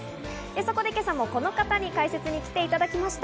そこで今朝も、この方に解説に来ていただきました。